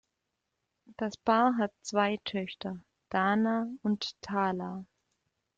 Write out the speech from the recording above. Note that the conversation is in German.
Das Paar hat zwei Töchter, Dana und Tala.